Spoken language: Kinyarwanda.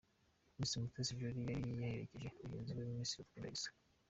Miss Mutesi Joly yari yaherekeje mugenzi we Miss Iradukunda Elsa.